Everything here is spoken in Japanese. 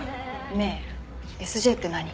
ねえＳＪって何？